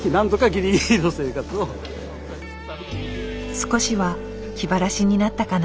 少しは気晴らしになったかな？